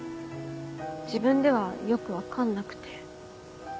自分ではよく分かんなくて。